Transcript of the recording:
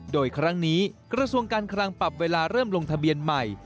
โดยครั้งนี้กระทรวงการคลังปรับเวลาเริ่มลงทะเบียนใหม่